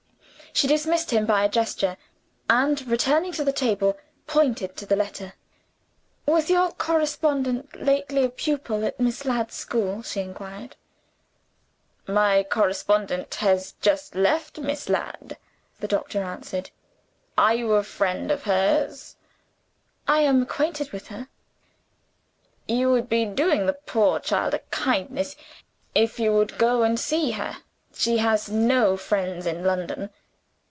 She dismissed him by a gesture; and, returning to the table, pointed to the letter. "Was your correspondent lately a pupil at Miss Ladd's school?" she inquired. "My correspondent has just left Miss Ladd," the doctor answered. "Are you a friend of hers?" "I am acquainted with her." "You would be doing the poor child a kindness, if you would go and see her. She has no friends in London."